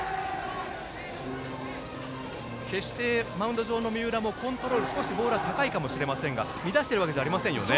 決して、マウンドの上の三浦もコントロールはボールは高いかもしれませんが乱しているわけじゃないですね。